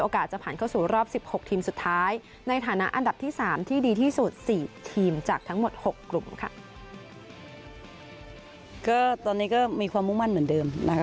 ก็ตอนนี้ก็มีความมุ่งมั่นเหมือนเดิมนะคะ